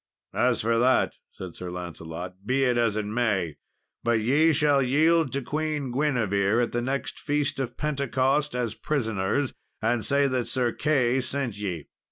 "As for that," said Sir Lancelot, "be it as it may, but ye shall yield to Queen Guinevere at the next feast of Pentecost as prisoners, and say that Sir Key sent ye."